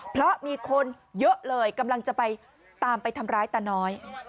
เพราะมีคนเยอะเลยกำลังจะไปตามไปทำร้ายตาน้อย